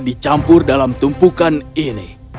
dicampur dalam tumpukan ini